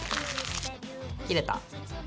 切れた。